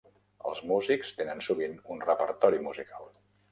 Els músics tenen sovint un repertori musical.